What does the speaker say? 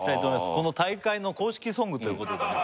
この大会の公式ソングということでねあ